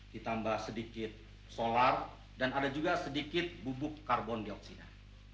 ditambah sedikit solar dan ada juga sedikit bubuk karbon dioksina